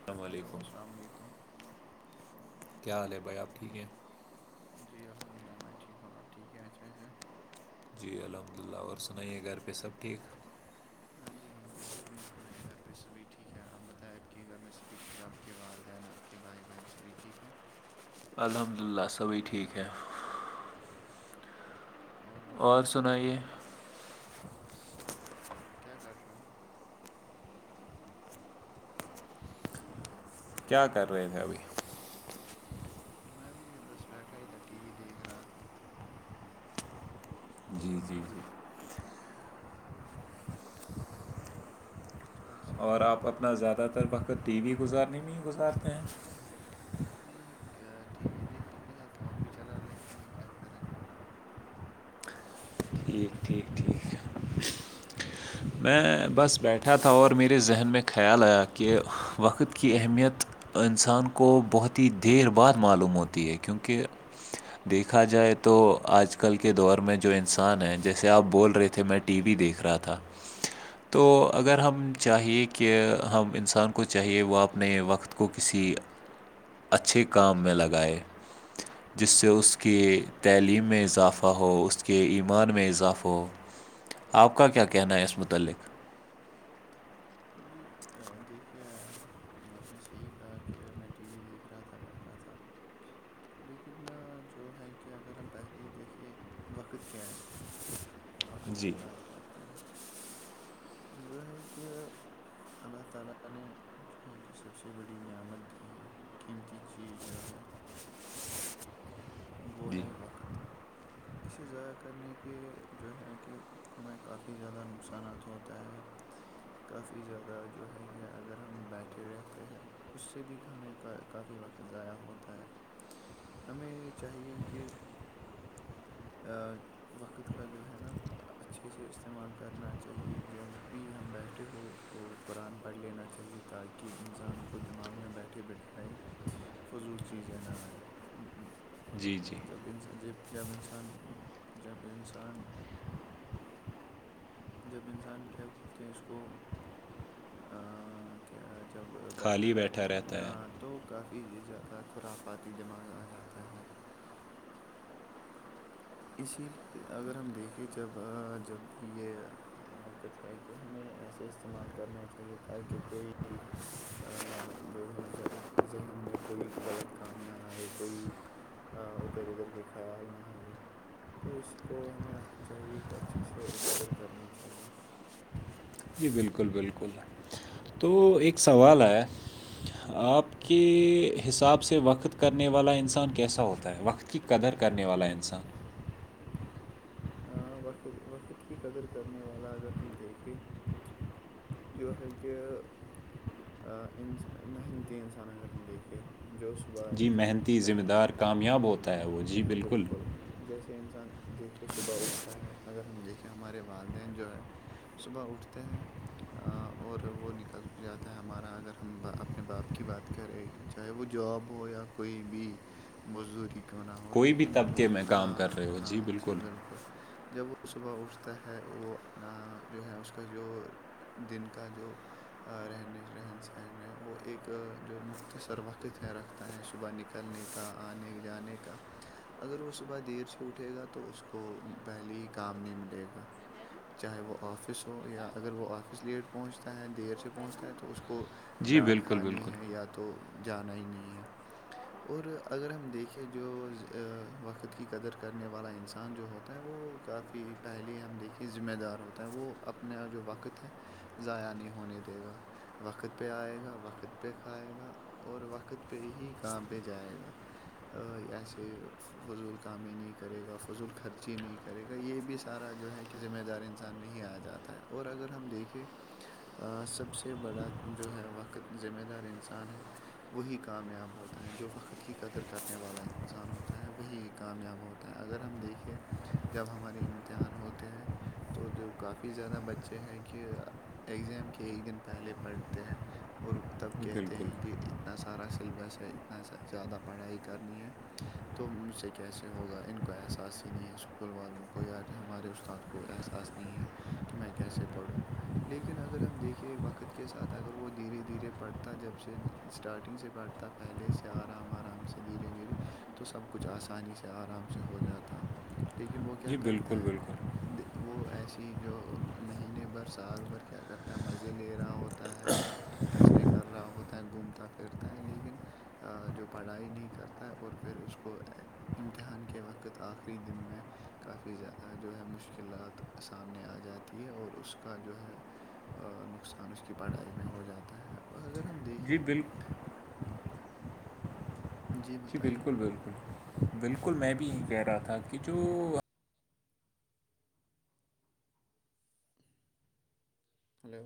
السلام ہلو علیکم السلام علیکم کیا حال ہے بھائی آپ ٹھیک ہیں جی الحمد للہ میں ٹھیک ہوں آپ ٹھیک ہیں ایے جی الحمد للہ اور سنائیے گھر پہ سب ٹھیک ہاں جی بالکل الحمد للہ میرے گھر پہ س بھی ٹیک آپ بتائیں آپ کہ گھر میں س بھی ٹیک ٹھیک ہے آپ کے والدین آپ کے بھائی بہن سبھی ٹھیک ہے الحمد للہ سبھی ٹھیک ہیں اور سنائیے کیا کر رہے ہو کیا کر رہے تھے ابھی میں بھی بس بیٹھا ہی تھا ٹی وی دیکھ رہا تھا جی جی جی جی تو ایسے اور ہی آپ اپنا زیادہ تر وقت ٹی وی گزارنے میں ہی گزارتے ہیں نہیں ٹی وی دیکھنے کے سات فون بھی چلا لیتے ہیں کیا کریں ٹھیک ٹھیک ٹھیک میں بس بیٹھا تھا اور میرے ذہن میں خیال آیا کہ وقت کی اہمیت انسان کو بہت ہی دیر بعد معلوم ہوتی ہے کیونکہ دیکھا جائے تو آج کل کے دور میں جو انسان ہیں جیسے آپ بول رہے تھے میٹ ٹی وی دیکھ رہا تھا تو اگر ہم چاہیے کہ ہم انسان کو چاہیے وہ اپنے وقت کو کسی اچھے کام میں لگائے جس سے ہوں اس کی تعلیم میں اضافہ ہو اس کے ایمان میں اضافہ ہو آپ کا کیا کہن آس متعلق جی دیکھیے آپ نے صحیح کہا کہ میں ٹی وی دیکھ رہا تھا بیٹھ رہا تھا لیکن جو ہے کہ اگر ہم پہلے ہی دیکھے وقت کیا ہے وقت جی کی بات کرتے ہیں جو ہے کہ اللہ تعالی کی سب سے بڑی نعمت کی ہے قیمتی چیز جو ہے وہ جی ہے وقت اسے ضائع کرنے کے جو ہے کہ ہمیں کافی زیادہ نقصان نقصانات ہوتا ہے کافی زیادہ جو ہے کہ اگر ہم بیٹھے رہتے ہیں اس سے بھی ہمیں کافی وقت ضائع ہوتا ہے ہمیں یہ چاہیے کہ وقت کا جو ہے نا اچھے سے استعمال کرنا چاہیے جب بھی ہم بیٹھے ہو تو قرآن پڑھ لینا چاہیے تاکہ انسان کو دماغ میں بیٹھے بیٹھائے [unintelligible] فضول چیزیں نہ آئے جی جی جب انسان جب جب انسان جب انسان جب انسان کیا بولتے ہیں اس کو جب بیٹھا رہتا ہے ہاں تو کافی زیادہ خرافاتی دماغ آ جاتا ہے اسی لیے اگر ہم دیکھیں جب جب بھی یہ وقت ہے کہ ہمیں ایسے استعمال کرنا چاہیے تاکہ کوئی جو ہے ذہن میں کوئی غلط کام نہ آئے کوئی ادھر ادھر کے خیال نہ ہے تو اس کو ہمیں چاہیے کہ اچھے سے قدر کرنی چاہیے جی بالکل بالکل تو ایک سوال ہے ہوں آپ کے حساب سے وقت کرنے والا انسان کیسا ہوتا ہے وقت کی قدر کرنے والا انسان وقت وقت کی قدر کرنے والا اگر ہم دیکھیں جو ہے کہ انس محنتی انسان اگر ہم دیکھیں جو صبح جی انسان محنتی اٹھتا ذمہ ہے دار کامیاب ہوتا ہے ہاں وہ جی ہ بالکل جیسے تو انسان دیکھ کے صبح اٹھتا ہے اگر ہم دیکھیں ہمارے والدین جو ہے صبح اٹھتے ہیں اور وہ نکل جاتا ہے ہمارا اگر ہم اپنے باپ کی بات کریں چاہے وہ جاب ہو یا کو بھی مزدوری کیوں نہ ہو کوئی بھی لیکن وہ طبقے میں کام کر ہاںاں رہے ہو ہاں جی بالکل جب وہ ص صبح اٹھتا ہے وہ اپنا جو ہے اس کا جو دن کا جو رہنے رہن سہن وہ ایک جو مختصر وقت ہے رکھ ہے صبح نکلنے کا آنے جانے کا اگر وہ صبح دیر سے اٹھے گا تو اس کو پہلے ہی کام نہیں ملے گا چاہے وہ آفس ہو یا اگر وہ آفس کس لیٹ پہنچتا ہے دیر سے پہنچتا ہے تو اس کو جی ڈانٹ بالکل کھانی بالکل ہے یا تو جان ہی نہیں ہے [unintelligible] اور اگر ہم دیکھیں جو وقت کی قدر کرنے والا انسان جو ہوتا ہے وہ کافی پہلے ہم دیکھے ذمہ دار ہوتا ہے وہ اپنا جو وقت ہے ضائع نہیں ہونے دے گا وقت پہ آئے گا وقت پہ کھائے گا اور وقت پہ ہی کام پہ جائے گا ایسے فضول کام ہی نہیں کرے گا فضول خرچی نہیں کر کرے گا یہ بھی سارا جو ہے کہ ذمہ دار انسان میں ہی آ جاتا ہے اور اگر ہم دیکھیں کہ سب سے بڑا جو ہے وقت ذمہ دار انسان ہے وہی کامیاب ہوتا ہے جو وقت کی قدر کرنے والا انسان ہوتا ہے وہی کامیاب ہوتا اگر ہم دیکھیں جب ہمارے امتحان ہوتے ہیں تو جو کافی زیادہ بچے ہیں کہ ایگزام کے ایک دن پہلے پڑھتے ہیں اور تب جی کہتے بالکل ہیں کہ اتنا سارا سلیبس ہے اتنا زیادہ پڑھائی کرنی ہے تو مجھ سے کیسے ہوگا ان کو احساس ہی نہیں ہے اسکول والوں کو یا ہمارے استاد کو احساس کہ میں کیسے پڑھوں لیکن اگر ہم دیکھیں وقت کے ساتھ اگر وہ دھیرے دھیرے پڑتا جب سے اسٹارٹنگ سے بیٹھتا پہلے سے آرام آرام سے دھیرے دھیرے تو سب کچھ آسانی سے آرام سے ہو جاتا لیکن وہ کیا جی بالکل کرتا ہے بالکل وہ ایسی جو مہینے برس سال بھر کیا کرتا ہے مزے لے رہا ہوتا ہے ٹسنے کر رہا ہوتا ہے گھومتا پھرتا ہے لیکن جو پڑھائی نہیں کرتا ہے اور پھر اس کو امتحان کے وقت آخری دن میں کافی زیادہ جو ہے مشکلات سامنے آ جاتی ہے اور اس کا جو ہے نقصان اس کی پڑھائی میں ہو جاتا ہے اگر ہم دیکھیں جی بال جی بالکل بالکل بالکل میں بھی یہی کہہ رہا تھا کہ جو ہلو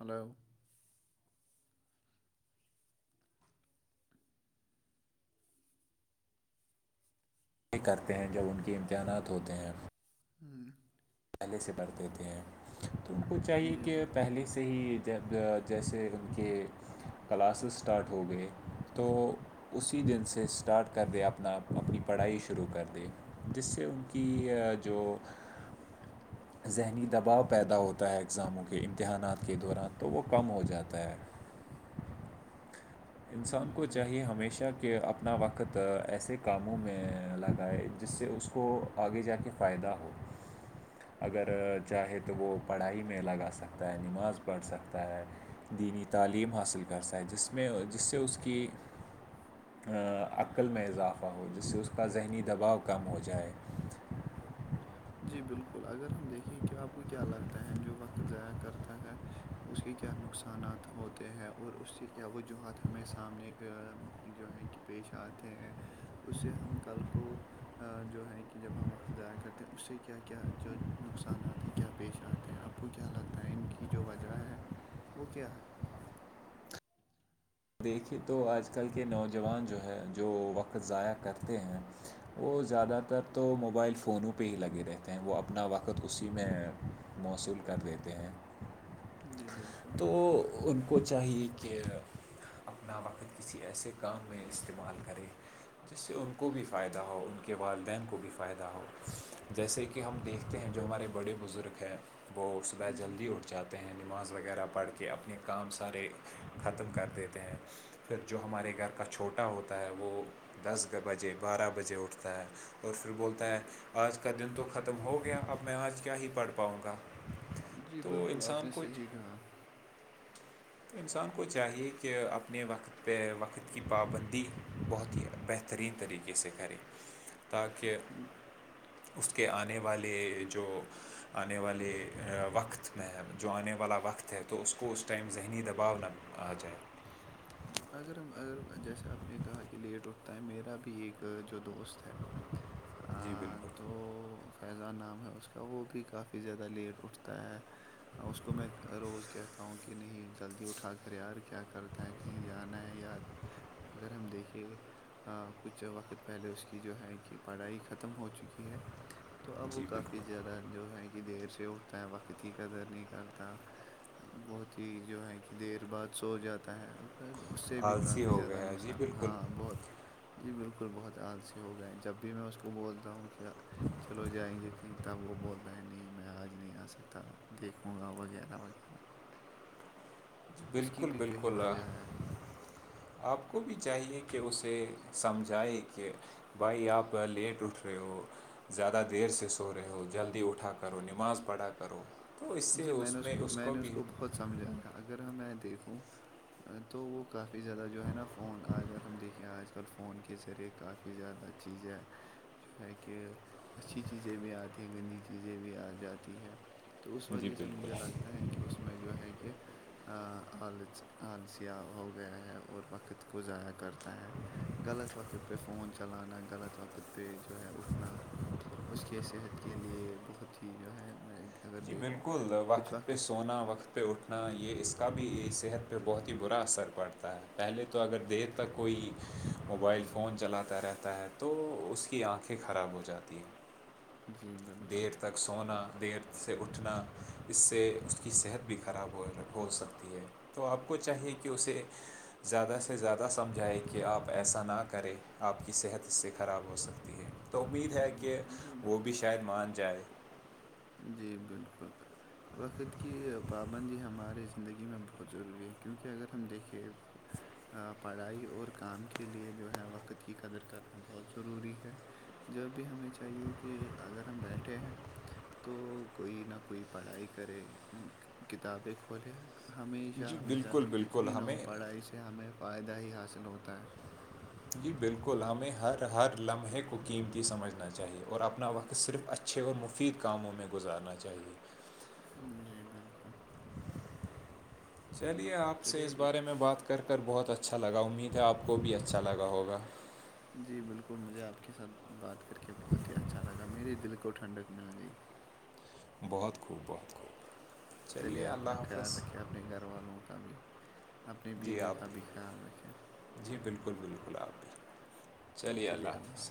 ہلو کرتے ہیں جب ان کے امتحانات ہوتے ہیں ہوں پہلے سے بڑ دیتے ہیں تو ان کو چاہیے جی کہ بالکل پہلے سے سے ہی جب جیسے ان کے کلاسز اسٹارٹ ہو گئے تو اسی دن سے اسٹارٹ کر دے اپنا اپنی پڑھائی شروع کر دے جس سے ان کی جو ذہنی دباؤ پیدا ہوتا ہے ایگزاموں کے امتحانات کے دوران تو وہ کم ہو جاتا ہے انسان جی کو بالکل چاہیے ہمیشہ کہ اپنا وقت ایسے کاموں میں لگائے جس سے اس کو آگے جا کے فائدہ ہو اگر چاہے تو وہ پڑھائی میں لگا سکتا ہے نماز پڑھ سکتا ہے دینی تعلیم حاصل کر سائے جس میں جس سے ا کی عقل میں اضافہ ہو جس سے ا کا ذہنی دباؤ کم ہو جائے جی بالکل اگر ہم دیکھیں کہ آپ کو کیا لگتا ہے جو وقت ضائع کرتا ہے اس کے کیا نقصانات ہوتے ہیں اور اس سے کیا وجوہات ہمیں سامنے جو ہے کہ پیش آتے ہیں اس سے ہم کل کو جو ہے کہ جب ہم وقت ضاائع کرتے اس سے کیا کیا جو نقصانات ہیں کیا پیش آتے ہیں آپ کو کیا لگتا ہے ان کی جو وجہ ہے وہ کیا ہے دیکھیے تو آج کل کے نوجوان جو ہے جو وقت ضائع کرتے ہیں وہ زیادہ تر تو موبائل فونوں پہ ہی لگے رہتے ہیں وہ اپنا وقت اسی میں موصول کر دیتے ہیں جی بالکل تو ان کو چاہیے کہ اپنا وقت کسی ایسے کام میں استعمال کرے جس سے ان کو بھی فائدہ ہو ان کے والدین کو بھی فائدہ ہو جیسے کہ کہ ہم دیکھتے ہیں جو ہمارے بڑے بزرگ ہیں وہ ہاں صبح جی جلدی اٹھ جاتا ہیں نماز وغیرہ پڑھ کے اپنے کام سارے ختم کر دیتے ہیں پھر جو ہمارے گھر کا چھوٹا ہوتا ہے وہ دس بجے بارہ بجے اٹھتا ہے اور پھر بولتا ہے آج کا دن تو ختم ہو گیا اب میں آج کیا ہی پڑھ پاؤں گا تو انسان کو رہا [inaudible] تو انسان کو چاہیے کہ اپنے وقت پہ وقت کی پابندی بہت ہی بہترین طریقے سے کرے تاکہ اس کے آنے والے جو آنے والے وقت میں جو آنے والا وقت ہے تو اس کو اس ٹائم ذہن ان دباؤ ن آ جائے اگر ہم اگر جیسے آپ نے کہا کہ لیٹ اٹھتا ہے میرا بھی ایک جو دوست جی [inaudible] تو بالکل فیضان نام ہے اس کا وہ بھی کافی زیادہ لیٹ اٹھتا ہے ہ اس کو میں روز کہتا ہوں کہ نہیں جلدی اٹھا کر یار کیا کرتا ہے کہیں جانا ہے یا اگر ہم دیکھیں ہاں کچھ وقت پہلے اس کی جو ہے کہ پڑھائی ختم ہو چکی ہے تو اب وہ جی کافی بالکل زیادہ جو ہے کہ دیر سے اٹھتا ہے وقت کی قدر نہیں کرتا بہت ہی جو ہے کہ دیر بعد سو جاتا ہے اس سے بھی آلسی کافی ہو زیادہ گیا جی نقصان ہے بالکل ہاں بہت جی بالکل بہت آلسی ہو گئے جب بھی میں اس کو بولتا ہوں کیا چلو جائیں گے کہیں تب وہ بولتا ہے نہیں میں آج نہیں آ سکتا دیکھوں گا وغیرہ وغیرہ اس کی بالکل بھی کئی بالکل وجہ ہے آپ کو بھی چاہیے کہ اسے سمجھائے کہ بھائی آپ لیٹ اٹھ رہے ہو زیادہ دیر سے سو رہے ہو جلدی اٹھا کرو نماز پڑھا کرو تو اس سے اس میں اس کو بھی بہت سمجھائے گا اگر ہم میں دیکھوں تو وہ کافی زیادہ جو ہے نا فون اگر ہم دیکھیں آج کل فون کے ذریعے کافی زیادہ چیز ہے جو ہے کہ اچھی چیزیں بھی آتی ہیں گندی چیزیں بھی آ جاتی ہے تو اس جی وجہ سے مجھے بالکل لگتا ہے کہ اس میں جو ہے کہ آلس آلثیہ ہو گیا ہے اور وقت کو ضائع کرتا ہے غلط وقت پہ فون چلانا غلط وقت پہ جو ہے اٹھنا اس کے صحت کے لیے بہت ہی جو ہے میں اگر جی دیکھ بالکل وقت پہ سوونا وقت پہ اٹھنا یہ اس کا بھی صحت پہ بہت ہی برا اثر پڑتا ہے پہلے تو اگر دیر جب تک کوئی موبائل فون چلاتا رہتا ہے تو اس کی آنکھیں خراب ہو جاتی جی ہیں بالکل دیر تک سونا دیر سے اٹھنا اس سے اس کی صحت بھی خراب ہو ہو سکتی ہے تو آپ کو چاہیے کہ اسے زیادہ سے زیادہ سمجھائے کہ آپ ایسا نہ کریں آپ کی صحت اس سے خراب ہو سکتی ہے تو امید ہے کہ جی میں- وہ بھی شاید مان جائے جی بالکل وقت کی پابندی ہمارے زندگی میں بہت ضروری ہے کیونکہ اگر ہم دیکھے پڑھائی اور کام کے لئے جو ہے وقت کی قدر کرنا بہت ضروری ہے جب بھی ہمیں چاہیے کہ اگر ہم بیٹھے ہیں تو کوئی نہ کوئی پڑھائی کرے کتابیں کھولے ہمیشہ جی ہمیشہ بالکل اگر کچھ بالکل بھی نہ ہمیں ہو پڑا اس سے ہمیں فائدہ ہی حاصل ہوتا ہے جی بالکل ہمیں ہر ہر لمحے کو قیمتی سمجھنا چاہیے اور اپنا وقت ک صرف اچھے اور مفید کاموں میں گزارنا چاہیے جی بالکل چلیے آپ سے چلیے اس بارے ا- میں بات کر کر بہت اچھا لگا امید ہے آپ کو بھی اچھا لگا ہوگا جی بالکل مجھے آپ کے ساتھ بات کر کے بہت ہی اچھا لگا میرری دل کو ٹھنڈک مل گئی بہت خوب بہت خوب چلیے اللہ اپنا خیال حافظ رکھیں اپنے گھر والوں کا بھی اپنے جی بیوی آپ کا بھی خیال رکھیں جی بالکل بالکل آپ بھی چلیے اللہ حافظ